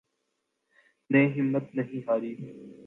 نے ہمت نہیں ہاری